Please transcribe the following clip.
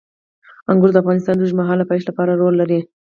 انګور د افغانستان د اوږدمهاله پایښت لپاره رول لري.